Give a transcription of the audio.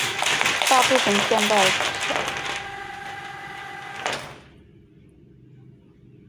大部分现代衬线体的可读性不及旧体和过渡体衬线体。